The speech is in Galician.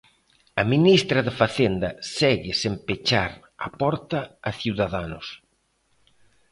A ministra de Facenda segue sen pechar a porta a Ciudadanos.